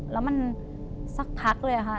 แล้วมันสักพักเลยค่ะ